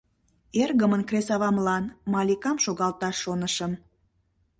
— Эргымын кресавамлан Маликам шогалташ шонышым.